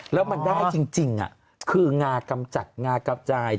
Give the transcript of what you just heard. แล้วมันได้จริงคืองากำจัดงากำจัดที่แบบ